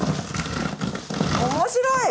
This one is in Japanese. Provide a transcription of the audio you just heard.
面白い！